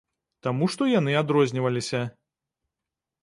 Таму што яны адрозніваліся.